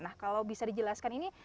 nah kalau bisa dijelaskan ini